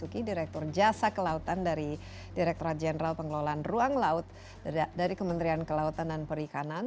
pak direktur jasa kelautan dari direkturat jenderal pengelolaan ruang laut dari kementerian kelautan dan perikanan